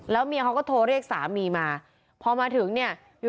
เมียเขาก็โทรเรียกสามีมาพอมาถึงเนี่ย